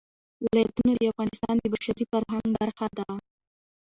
ولایتونه د افغانستان د بشري فرهنګ برخه ده.